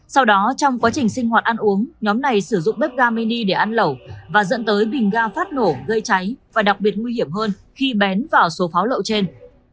sau đó trong quá trình sinh hoạt ăn uống nhóm này sử dụng bếp ga mini để ăn lẩu và dẫn tới bình ga phát nổ gây cháy và đặc biệt nguy hiểm hơn khi bén vào số pháo lậu trên